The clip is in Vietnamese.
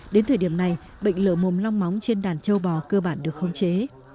đến thời điểm này bệnh lở mồm long móng trên đàn châu bò cơ bản được khống chế